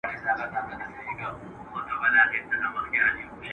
تاسو باید د کابل د محلي تولیداتو ملاتړ وکړئ.